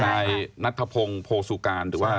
นายนัทธพงศ์โพสุการหรือว่า